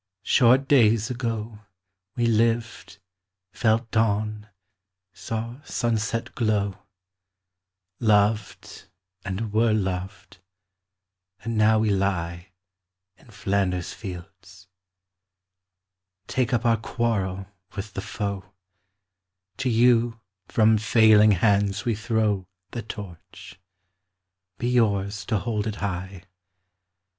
Short days ago We lived, felt dawn, saw sunset glow, Loved, and were loved, and now we lie In Flanders fields. Take up our quarrel with the foe: To you from failing hands we throw The Torch: be yours to hold it high!